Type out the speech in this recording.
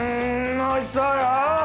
おいしそうよ！